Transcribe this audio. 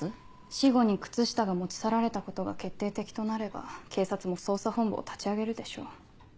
死後に靴下が持ち去られたことが決定的となれば警察も捜査本部を立ち上げるでしょう。